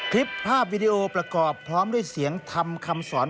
คลิปภาพวิดีโอประกอบพร้อมด้วยเสียงทำคำสอน